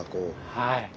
はい。